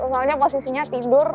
soalnya posisinya tidur